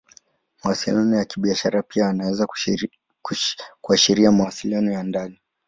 Mawasiliano ya Kibiashara pia yanaweza kuashiria mawasiliano ya ndani.